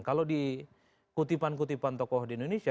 kalau di kutipan kutipan tokoh di indonesia